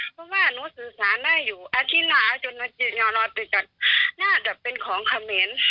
เพราะว่านู้สื่อสารน่าอยู่อธินาจุดนาจิตน่าจะเป็นของเขมร